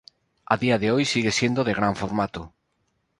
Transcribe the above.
Al día de hoy sigue siendo de gran formato.